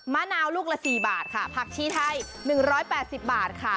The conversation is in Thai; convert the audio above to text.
มะนาวลูกละ๔บาทค่ะผักชีไทย๑๘๐บาทค่ะ